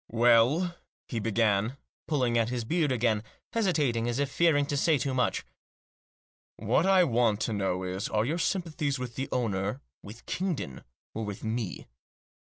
" Well," he began, pulling at his beard again, hesi tating, as if fearing to say too much. " What I want to know is, are your sympathies with the owner, with Kingdon, or with me?"